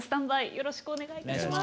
よろしくお願いします。